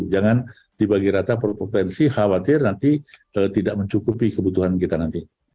jangan dibagi rata provinsi khawatir nanti tidak mencukupi kebutuhan kita nanti